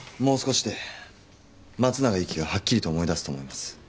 もう少しで松永由岐がはっきりと思い出すと思います。